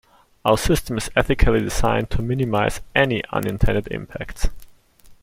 Our system is ethically designed to minimize any unintended impacts.